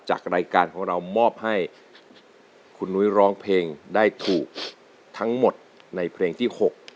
จากรายการของเรามอบให้คุณนุ้ยร้องเพลงได้ถูกทั้งหมดในเพลงที่๖